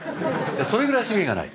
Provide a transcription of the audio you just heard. それぐらい資源がない。